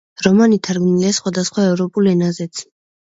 რომანი თარგმნილია სხვადასხვა ევროპულ ენაზეც.